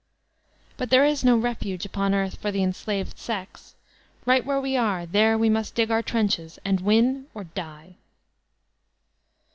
But there is no refuge upon earth for the enslaved sex. Right where we are, there we must dig our trenches, and win or die.